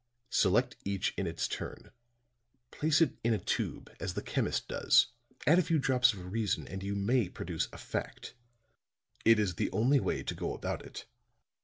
Select each in its turn, place it in a tube as the chemist does, add a few drops of reason, and you may produce a fact. It is the only way to go about it.